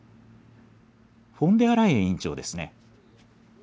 フォンデアライエン委員長ですね。